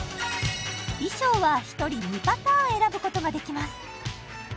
衣装は１人２パターン選ぶことができます